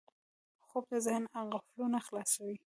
خوب د ذهن قفلونه خلاصوي